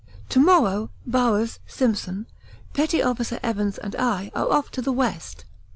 To morrow Bowers, Simpson, Petty Officer Evans, and I are off to the west.